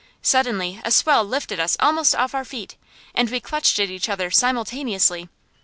Suddenly a swell lifted us almost off our feet, and we clutched at each other simultaneously.